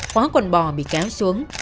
khóa quần bò bị kéo xuống